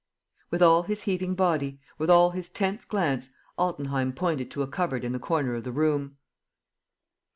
..." With all his heaving body, with all his tense glance, Altenheim pointed to a cupboard in the corner of the room.